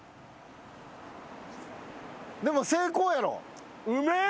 でも成功やろ？